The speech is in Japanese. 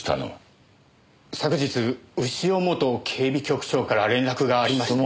昨日潮元警備局長から連絡がありまして。